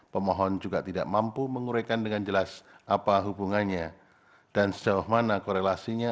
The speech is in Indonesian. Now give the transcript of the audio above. pemohon juga tidak mampu menguraikan dengan jelas apa hubungannya dan sejauh mana korelasinya